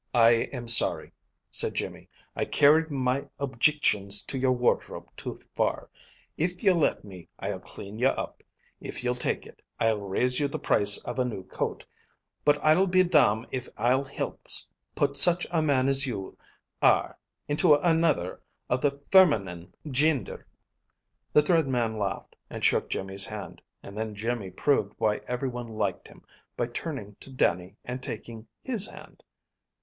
"I am sorry," said Jimmy. "I carried my objictions to your wardrobe too far. If you'll let me, I'll clean you up. If you'll take it, I'll raise you the price of a new coat, but I'll be domn if I'll hilp put such a man as you are into another of the fiminine ginder." The Thread Man laughed, and shook Jimmy's hand; and then Jimmy proved why every one liked him by turning to Dannie and taking his hand.